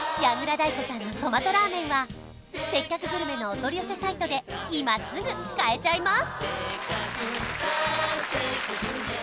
太鼓さんのトマトラーメンは「せっかくグルメ！！」のお取り寄せサイトで今すぐ買えちゃいます